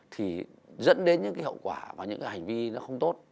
thì dẫn đến những cái hậu quả và những cái hành vi nó không tốt